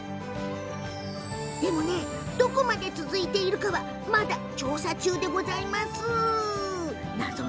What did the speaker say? でも、どこまで続いているかはまだ調査中でございます。